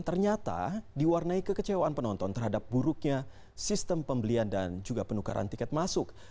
ternyata diwarnai kekecewaan penonton terhadap buruknya sistem pembelian dan juga penukaran tiket masuk